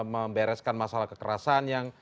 membereskan masalah kekerasan yang